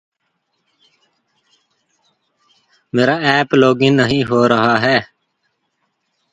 It is a weak wood with low decay resistance and moderate dimensional stability.